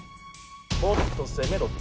もっと攻めろって！